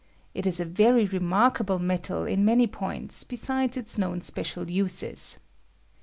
It is a very re markable metal in many points besides its known special uses.